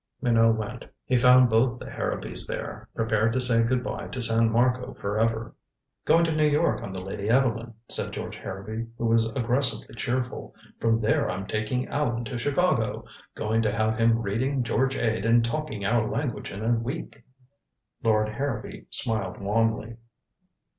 Minot went. He found both the Harrowbys there, prepared to say good by to San Marco forever. "Going to New York on the Lady Evelyn," said George Harrowby, who was aggressively cheerful. "From there I'm taking Allan to Chicago. Going to have him reading George Ade and talking our language in a week." Lord Harrowby smiled wanly.